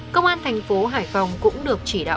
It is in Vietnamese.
công an thành phố hải phòng cũng được chỉ đạo